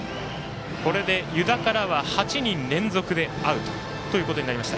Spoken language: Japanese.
これで湯田からは８人連続でアウトということになりました。